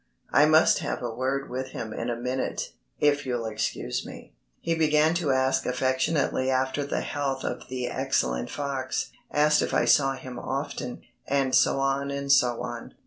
I must have a word with him in a minute, if you'll excuse me." He began to ask affectionately after the health of the excellent Fox, asked if I saw him often, and so on and so on.